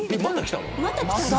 また来たの？